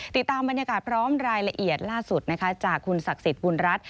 ติดตามบรรยากาศพร้อมรายละเอียดล่าสุดนะคะจากคุณศักดิ์สิทธิ์บุญรัฐ